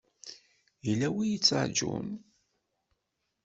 Yella wi y-ittrajun?